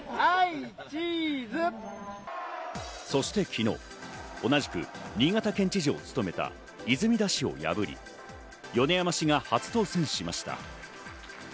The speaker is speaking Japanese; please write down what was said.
そして昨日、同じく新潟県知事を務めた泉田氏を破り、米山氏が初当選しました。